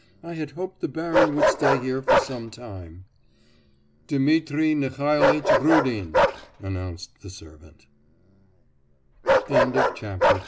I had hoped the baron would stay here for some time.' 'Dmitri Nikolaitch Rudin,' announced the servant III A man o